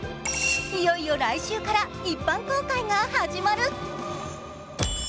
いよいよ来週から一般公開が始まる。